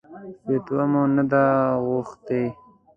فتوا مې نه ده غوښتې.